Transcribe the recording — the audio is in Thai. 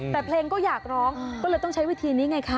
แต่เพลงก็อยากร้องก็เลยต้องใช้วิธีนี้ไงคะ